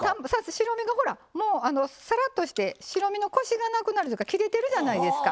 白身がほらもうさらっとして白身のコシがなくなるというか切れてるじゃないですか。